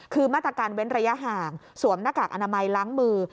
คือมาตรการเว้นระยะห่างสวมหน้ากากอนามัยล้างมือ